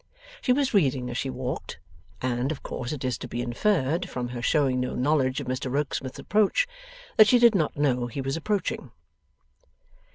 She was reading as she walked, and of course it is to be inferred, from her showing no knowledge of Mr Rokesmith's approach, that she did not know he was approaching.